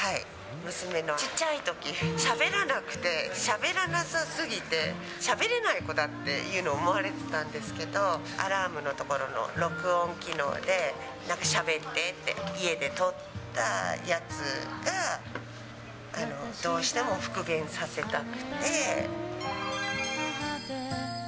娘の、ちっちゃいとき、しゃべらなくて、しゃべらなさすぎて、しゃべれない子だっていうふうに思われてたんですけど、アラームのところの録音機能で、なんかしゃべってって家で撮ったやつが、どうしても復元させたくて。